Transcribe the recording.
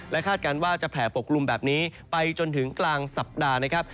คาดการณ์ว่าจะแผ่ปกกลุ่มแบบนี้ไปจนถึงกลางสัปดาห์นะครับ